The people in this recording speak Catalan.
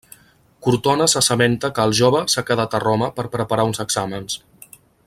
Cortona s'assabenta que el jove s'ha quedat a Roma per preparar uns exàmens.